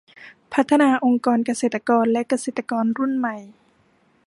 พัฒนาองค์กรเกษตรกรและเกษตรกรรุ่นใหม่